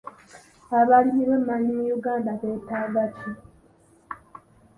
Abalimi b'emmwanyi mu Uganda beetaaga ki?